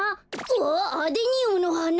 あっアデニウムのはな。